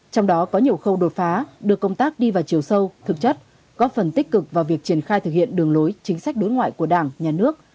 trong đó có nhiều khâu đột phá đưa công tác đi vào chiều sâu thực chất góp phần tích cực vào việc triển khai thực hiện đường lối chính sách đối ngoại của đảng nhà nước